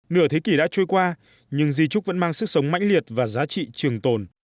nửa thế kỷ đã trôi qua nhưng di trúc vẫn mang sức sống mãnh liệt và giá trị trường tồn